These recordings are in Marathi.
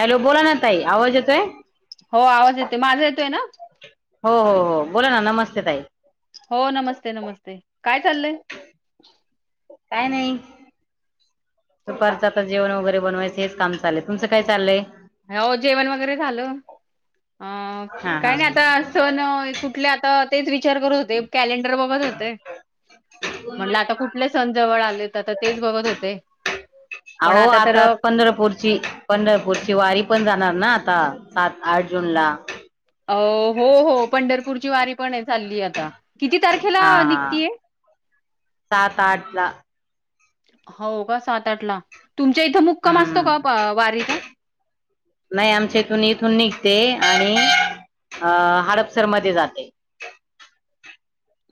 हॅलो बोला ना ताई आवाज येतोय. हो आवाज येते माझा येतोय ना? हो बोला ना नमस्ते ताई हो नमस्ते नमस्ते काय चाललंय? काय नाई परत आता जेवण वगैरे बनवायचे काम चालय तुमचं काय चाललंय हो जेवण वगैरे झालं अ हा हा काय नाही आता सण कुठं कुठले आता तेच विचार करत होते कॅलेंडर बघत होते म्हणलं आता कुठले सण जवळ आले आता तर तेच बघत होते पण आहो तर आता प पंढरपूरची पंढरपूरची ची वारी पण जाणार ना आता सात आठ जून ला अ... हो हो, पंढरपूरची वारी पण... हे चालली आता किती तारखेला हा अ... हा निघती ये? सात आठ ला होव का, सात आठ ला तुमच्या इथं मुक्काम असतो हम्म का... अ वारीचा? नाही आमच्या इथून इथून निघते आणि अ... हडपसर मध्ये जाते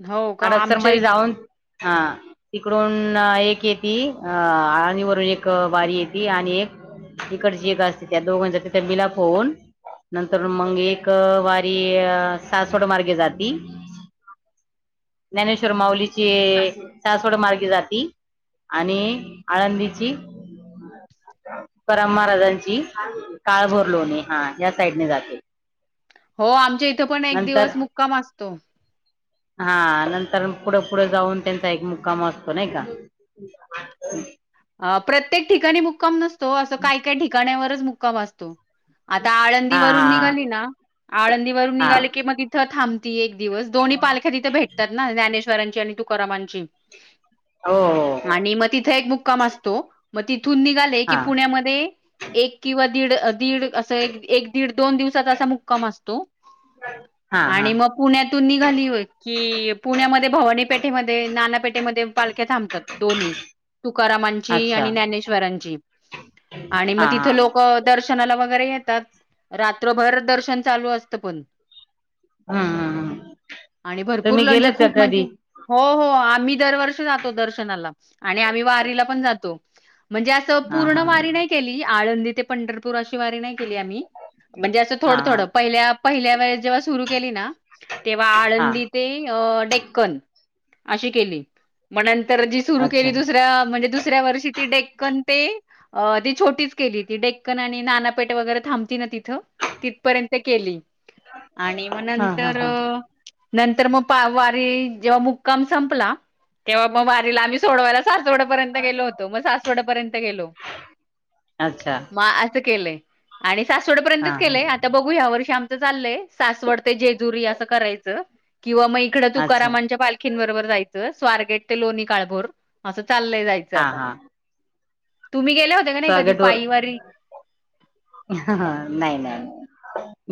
हो का हडपसर आमच्या मध्ये इ- जाऊन हा, तिकडून... अ... एक येती... अ अळणी वरून एक वारी येती आणि एक इकडची एक असते, त्या दोघांचा तिथं मिलाफ होऊन नंतरुन मग एक... अ... वारी अ... सासवड मार्गे जाती [unintelligible] ज्ञानेश्वर माऊलीची सासवड मार्गे जाती आणि आळंदीची? तुकाराम महाराजांची... काळभोर लोणी... हा, या साइडनं जाते हो, आमच्या इथे पण एक नंतर दिवस मुक्काम असतो. हा नंतर पुढ पुढ जाऊन त्यांचा एक मुक्काम असतो नाही का. [unintelligible] अ प्रत्येक ठिकाणी मुक्काम नसतो हो असं काय काय ठिकाण्यावरच मुक्काम असतो. आता हा आळंदीवरून हा निघाली ना आळंदीवरून हा निघाले की मग इथं थांबती एक दिवस दोन्ही पालख्या तिथे भेटतात ना ज्ञानेश्वरांची आणि तुकारामांची. हो हो आणि मग तिथे एक मुक्काम असतो. मग तिथ तिथून निघाले की हा पुण्यामध्ये, एक किंवा दीड अ दीड असं, एक, एक दीड- दोन दिवसाचा असा मुक्काम असतो. हा हा आणि मग पुण्यातून निघाली होय की, पुण्यामध्ये भवानी पेठेमध्ये, नाना पेठेमध्ये पालख्या थांबतात दोन्ही. तुकारामांची अच्छा आणि ज्ञानेश्वरांची. आणि हा मग तिथ हा लोकं दर्श दर्शनाला वगैरे येतात. रात्रभर दर्शन चालू असत पण. हम्म हम्म हम्म आणि भरपूर तुम्ही लॉन्ज हे गेलेत का खूप म्हणजे, कधी हो, हो आत आम्ही दरवर्षी जातो दर्शनाला. आणि आम्ही वारीला पण जातो. म्हणजे असं, हा पूर्ण हा वारी नाही केली. आळंदी ते पंढरपूर अ वारी नाही केली आम्ही. म्हणजे असं हा थोडं हा -थोडं. पहिल्या, पहिल्या वेळ जेव्हा सुरू केली ना, तेव्हा हा आळंदी ते अ डेक्कन, अशी केली. मग नंतर जी सुरु अच्छा केली दुस अ म्हणजे दुसऱ्या वर्षी ती डेक्कन ते अ ती छोटीच केली. ती डेक्कन आणि नानापेट वगैरे. थांबती ना तिथ तिथपर्यंत केली. आणि मग हा हा नंतर हा नंतर मग वारी जेव्हा मुक्काम संपला तेव्हा मग वारीला आम्ही सोडवायला सोडे पर्यंत गेलो होतो, मग सासवड पर्यंत गेलो. अच्छा मग केले आणि हा सासवड्यापर्यंतच हा केलेय आता बघू या वर्षी आमचं चाललंय सासवड ते जेजुरी असं करायचं किंवा मग इकडं अच्छा तुकारामांच्या पालखीं बरोबर जाय चं स्वारगेट ते लोणी काळभोर असं चाललंय जायचं हा आता. हा तुम्ही गेल्या होत्या काय नाही कधी स्वागत वर पायी वारी. नाही नाही.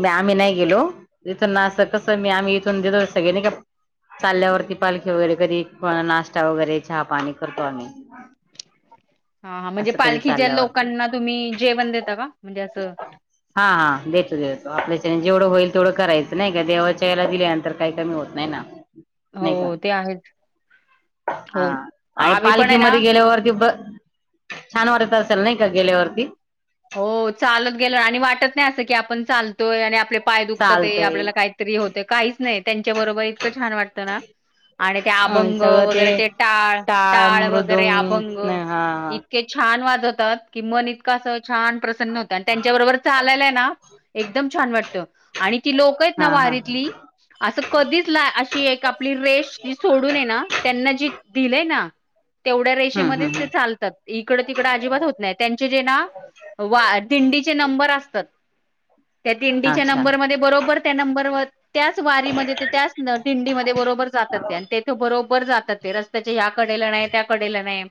मी आम्ही नाही गेलो इथूनं अस कस मी आम्ही इथून देतो सगळनी का चाल्यावरती पालखी वगैरे कधी नाश्ता वगैरे चहा पाणी करतो आम्ही. हा हा म्हणजे असं कधी पालखीच्या चालल्यावरती लोकांना तुम्ही जेवण देता का? म्हणजे असं हा हा देतो. देतो आपल्याच्याने जेवढं होईल तेवढं करायचं नाही का देवाच्या याला दिल्यानंतर काही कमी होत नाही ना हो नाही का ते आहेच हा हो आणि आम्ही पण आहे ना पालखीमध्ये गेल्यावरती ब छान वाटत असेल ना गेल्यावरती हो चालत गेलं आणि वाटत नाही असं की आपण चालतोय आणि आपले पाय दुखतात ते चालतय आपल्याला काहीतरी होते काहीच नाही त्यांच्या बरोबर इतकं छान वाटतं ना आणि ते अ अभंग सगळं वगैरे ते टाळ टाळ वगैरे अभंग मृदुंग हा इतके छान वा की मन इतक अस छान प्रसन्न होत आणि त्यांच्या बरोबर चालयलाय ना एकदम छान वाटत आणि ती लोकच हा ना हा हा वारीतली अस कधीच अशी आपली रेश जी सोडून आहे ना त्यांना जी दिलय ना तेवढ्या हम्म हम्म रेषेमध्येच ते हम्म चालतात इकडं तिकडं अजिबात होत नाही त्यांचे जे ना दिंडीचे नंबर असतात त्या दिंडीच्या अच्छा नंबर मध्ये बरोबर त्या नंबर त्याच वारीमध्ये ते त्याच दिंडीमध्ये बरोबर जातात ते तेथे बरोबर जातात ते रस्त्याच्या या कडेला नाही त्या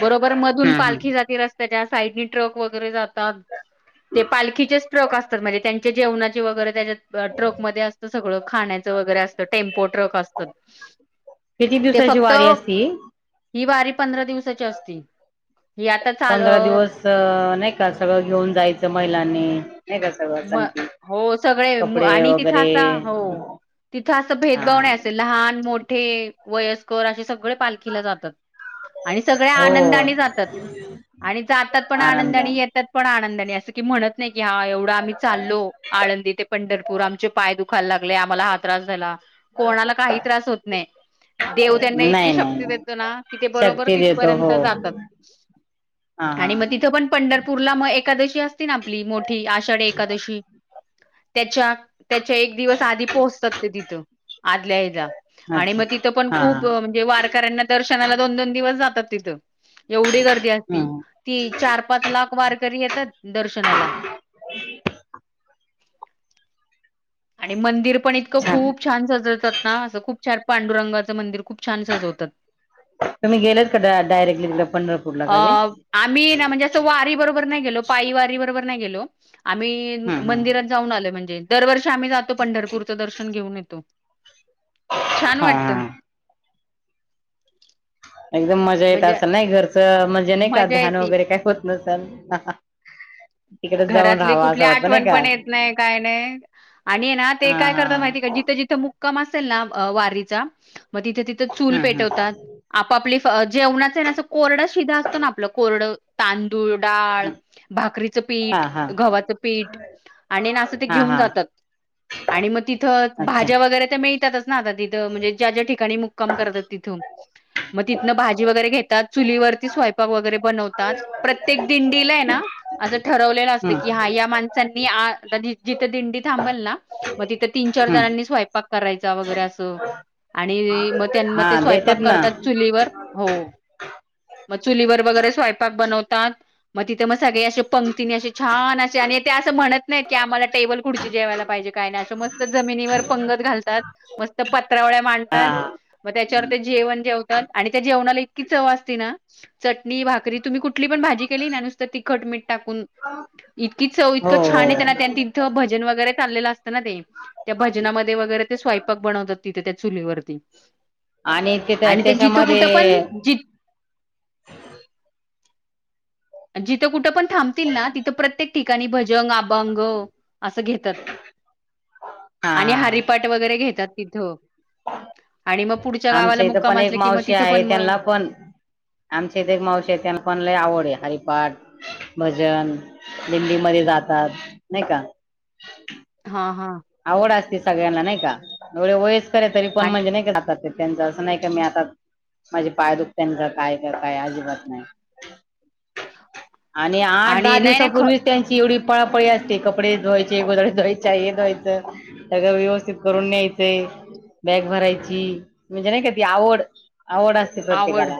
बरोबर मधून हम्म हम्म पालखी जात रस्त्याच्या साईड ट्रक वगैरे ते पालखीचे ट्रक असतात म्हणजे त्यांच्या जेवणाचे वगैरे त्याच्या ट्रक मध्ये असत सगळं खाण्याचं वगैरे असतं टेम्पो ट्रक असत किती दिवसाची वारी असती ही वारी पंधरा दिवसाची असती ही आता चाल पंधरा दिवस अ, नाही सगळं घेऊन जायचं महिलांनी का सगळं म सांगते हो सगळे कपडे वगैरे तिथं असं हा भेदभाव हा नाही असे लहान मोठे वयस्कर असे सगळे पालखीला जातात आणि सगळ्या हो आनंदाने जातात आणि जातात पण आनंद आणि आनंदाने येतात पण आनंदाने अस म्हणत नाही की हा एवढं आम्ही चालो आळंदी ते पंढरपूर आमचे पाय दुख खायला लागले आम्हाला हा त्रास झाला कोणाला काही त्रास होत नाही देव त्यांना इतकी नाही नाही शक्ती नाही. देतो ना कि ते बरोबर शक्ती देतो हो तिथपर्यंत जातात हा हा आणि मग तिथं पण पंढरपूरला मग एकादशी असती ना आपली मोठी आषाढ एक एकादशी त्याच्या त्याच्या एक दिवस आधी पोहोचतात ते तिथं आदल्या ह्याला आणि अच्छा मग तिथं पण हा हा खूप म्हणजे वारकऱ्यांना दर्शनाला दोन दोन दिवस जातात तिथं एवढी गर्दी असती हम्म ती चार पाच लाख वारकरी येतात दर्शनाला आणि मंदिर पण इतकं खूप छान सजवतात ना असं खूप छान पांडुरंगाचं मंदिर खूप छान सजवतात तुम्ही गेलेत का डायरेक्टली तिकडे पंढरपूरला अ कधी आम्ही ना म्हणजे असं वारी बरोबर नाही गेलो पायी वारी बरोबर आम्ही हम्म मंदिरात हम्म जाऊन आलोय म्हणजे आम्ही जातो पंढरपूरचं दर्शन घेऊन येतो छान हा वाटत हा एकदम मजा येत म्हणजे असं नाही घरचं मजे नाही का मजा ध्यान येती वगैरे कायत लसलं घरातली कुठली आठवण पण येत नाही काय नाही. आणि ना ते हा काय हा करतात माहिती का जिथं जिथं मु कम असेल ना वारीचा मग तिथे तिथे चूल हम्म हम्म पेटवतात आपापले जेवणाच गोड शिरा असतो ना आपल कोरड तांदूळ डाळ भाकरी चं हा पीठ हा गव्हाचं पीठ आणि नां अस ते हा घेऊन हा जातात आणि मग तिथं अच्छा भाज्या वगैरे मिळवतातच ना तिथ म्हणजे ज्या ज्या ठिकाणी मुकांम करतात तिथ मग तिथन भाजी वगैरे त्या चुलीवरती स्वयपाक वगैरे बनवतात प्रत्येक दिंडीला ठरवलेलं असत की हा हम्म या माणसांनी जिथं दिंडी थांबल ना मग तिथं तीन चार हम्म जणांनी स्वयंपाक करायचा वगैरे असं आणि म त्यां म हा ते स्वयंपाक देतात ना करतात चुलीवर हो. मग चुलीवर वगैरे स्वयंपाक बनवतात मग तिथे मग सगळे असे पं ति असे छान असे आणि ते असं म्हणत नाहीत की आ्माला टेबल कुडची जेवायला पाहिजे काय नाही अ मस्त जमिनीवर पंगत घालतात मस्त पत्रवळ्या हा मांडतात. मग त्याच्यावर ते जेवण जेवतात आणि त्या जेवणाला इतकी चव असते ना. चटणी भाकरी तुम्ही कुठली पण भाजी केली ना नुसत तिखट मिठ इतकी चव हो इतकं छान त्यांना हो तिथं भजन वगैरे चाललेलं असत ते त्या भजनामध्ये वगैरे ते स्वयंपाक बनवतात तिथे त्या चुलीवरती आणि तिथं आणि ते जित कुठं पण त्याच्यामध्ये ज जिथं कुठं पण थांबतील ना तिथं प्रत्येक ठिकाणी भजन अभंग असं घेतात आणि हा हारीपाट वगैरे घेतात तिथं आणि मग पुढच्या गावाला आमच्या इथं मुक्काम पण एक असले की मग मावशी तिथं आहे पण मग त्यांना पण आमचे तेे एक मावशी त्यांना पण लय आवड आहै पाठ भाजन जल्दी मादे जातात नाही का.. हा हा आवड असते सगळ्यांना नाही का एवढे वयस कर आहै तरी पण म्हणजे नाही राह. त्यांच असं नाही का मी आता माझे पाय दुखतनच काय का काय अजिबात नाही आणि आठ दहा आणि नाही नाही ख दिवसाांपूर्वीच त्यांची एवढी पळापळी असते कपडे धवायचे गोदडे धुवायचे हे धवायचे त्याग व्यवस्थित करून न्यायचंय [inaudible] बॅग भरायची म्हणजे नाही का ती आवड आवड असते आवड प्रत्येकाला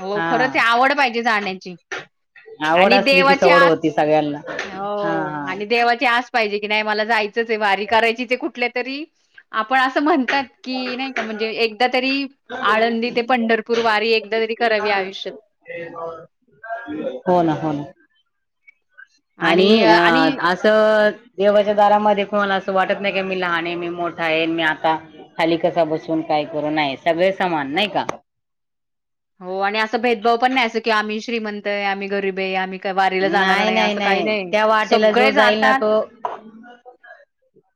हो खरच हा आवड पाहिजे जाण्याची आवड आणि असली की देवाची सवड होती आस सगळ्यांना हा हो हा आणि देवाची आस पाहिजे के नाही मला जायचच वारी करायची कुठ तरी पण अस म्हणतात की नाही का म्हणजे एकदा तरी आळंदी ते पंढरपूर वारी एकदा तरी करावी आयुष्यत हो ना हो ना आणि अ असं देवाच्या दारामध्ये मला अस वाटत नाही मी लहान आहे मी मोठा आहे मी आता खाली कसा बसून काय करू सग सामान नाही का हो आणि असं भेदभाव पण नाही अस कि आम्ही श्रीमंत आहे आम्ही गरीब आहे आम्ही काय वारीला जाणार नाही नाही असं काही नाही त्या वाटेला जो सगळे जाईल ना जातात तो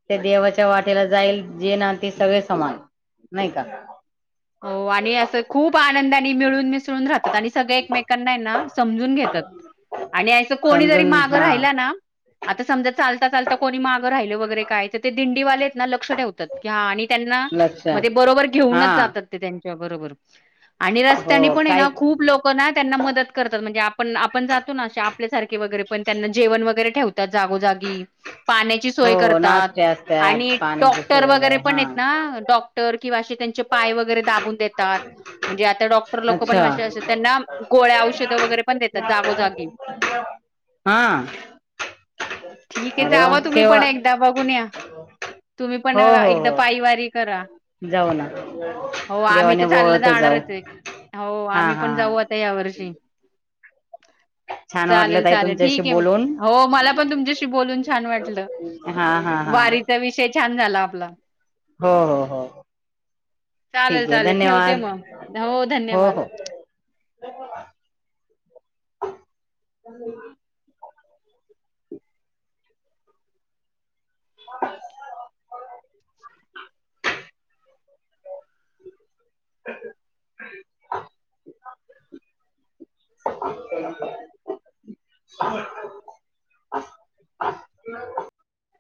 ते देवाच्या वाट जे जाईल जे नाती सगळे समान नाही का हो आणि असं खूप खूप आनंदाने मिळून मिसळून राहतात आणि सगळे एकमेकांना ना समजून घेतात आणि सं कोणी जरी समजून मागं हा राहिला ना आता समजा चालता चालता कोणी मागं राहिल वगैरे काय तर दंडिवलै ना लक्ष ठेवतात की आणि त्यांना लक्ष म ते बरोबर हा घेऊनच जातात ते बरोबर आणि रस्त्यांनी हो पणआहे काय ना खूप लोक ना त्यांना मदत करतात म्हणजे आप पण आपण जातो नाे आपल्यासारखे वगैरे पण त्यांना जेवण वगैरे ठेवतात जागोजागी पाण्याची सोय हो करतात नाश्ते आणि असतात पाण्याची डॉक्टर सोय वगैरे पण हा हेत ना डॉ क्टर किंवा असे त्यांचे पाय वगैरे दाबून देत ह् म्हणजे आता डॉक्टर लोकं पण अशे असतात त्यांना गोळ्या औषधं वगैरे पण देतात जागोजागी हा ठीक आहे अरे वा जावा तुम्ही पण तेव्हा एकदा बघून या तुम्ही पण हो हो एकदा हो पायी वारी करा जाऊ ना हो आम्ही देवाने तर चाललं बोळत जाऊ जाणारच आहे हो हा आम्ही हा पण जाऊ आता या वर्षी छान वाटलं चालेल ताई चालेल तुमच्याशी ठीक आहे मग बोलून हो मला पण तुमच्याशी बोलून छान वाटलं हा हा हा वारीचा विषय छान झाला आपला. हो. हो. हो.. चालल ठीक आहे चालेल ठेवते धन्यवाद मग हो धन्यवाद लई बोलला ह [unintelligible] [unintelligible] [unintelligible] मग